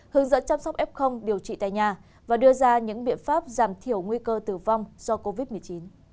hướng dẫn chăm sóc f điều trị tại nhà và đưa ra những biện pháp giảm thiểu nguy cơ tử vong do covid một mươi chín